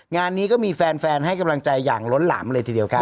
งานนี้ก็มีแฟนให้กำลังใจอย่างล้นหลามเลยทีเดียวครับ